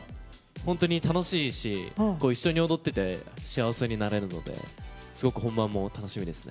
本当に楽しいし一緒に踊ってて幸せになれるのですごく本番も楽しみですね。